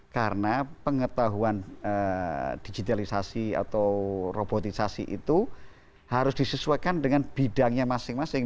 karena pengetahuan digitalisasi atau robotisasi itu harus disesuaikan dengan bidangnya masing masing